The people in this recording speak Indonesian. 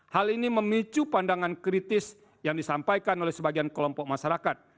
hal ini memicu pandangan kritis yang disampaikan oleh sebagian kelompok masyarakat